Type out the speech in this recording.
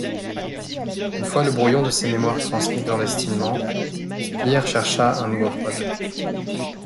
Une fois le brouillon de ses mémoires transmis clandestinement, Speer chercha un nouveau projet.